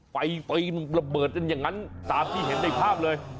ไฟมันระเบิดกันอย่างนั้นตามที่เห็นในภาพเลย